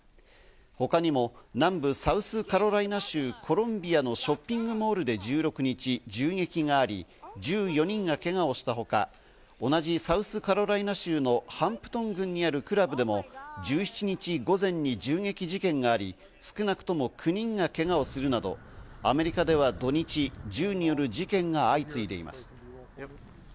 他にも南部サウスカロライナ州コロンビアのショッピングモールで１６日、銃撃があり、１４人がけがをしたほか、同じサウスカロライナ州のハンプトン郡にあるクラブでも１７日午前に銃撃事件があり、少なくとも９人がけがをするなど、アメリカでは土日、銃による事件が相次いでいます。